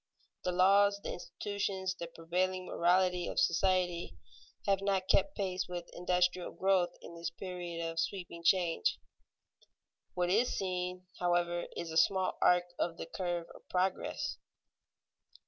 The laws, the institutions, the prevailing morality of society, have not kept pace with industrial growth in this period of sweeping change. What is seen, however, is a small arc of the curve of progress.